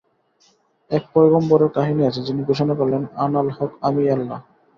এক পয়গম্বরের কাহিনী আছে, যিনি ঘোষণা করলেন, আনাল হক-আমিই আল্লাহ।